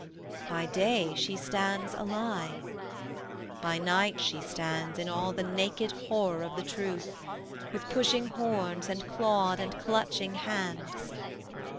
By day she stands a lie: by night she stands, In all the naked horror of the truth, With pushing horns and clawed and clutching hands.